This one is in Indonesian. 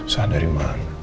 susah dari mana